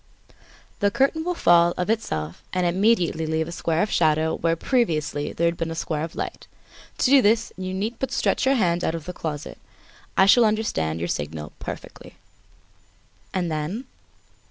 The curtain will fall of itself and immediately leave a square of shadow where previously there had been a square of light. To do this, you need but stretch your hand out of the closet, I shall understand your signal perfectly." "And then?"